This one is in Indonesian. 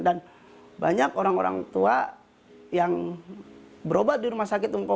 dan banyak orang orang tua yang berobat di rumah sakit umpamu